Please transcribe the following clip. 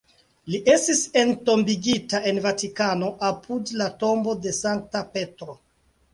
Li estis entombigita en Vatikano, apud la tombo de Sankta Petro.